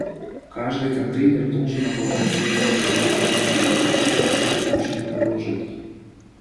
Каждый контейнер должен обладать средствами трансляции видеопотока всех запущенных приложений